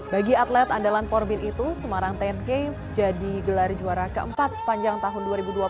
bagi atlet andalan porbin itu semarang sepuluh k jadi gelar juara keempat sepanjang tahun dua ribu dua puluh